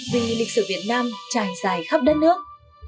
vì lịch sử việt nam trải dài khắp đất nước